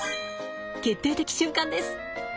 決定的瞬間です。